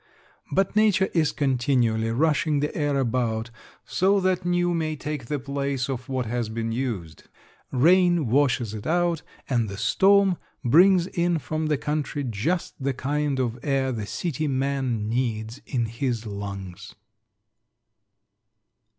But nature is continually rushing the air about so that new may take the place of what has been used, rain washes it out, and the storm brings in from the country just the kind of air the city man needs in his lungs.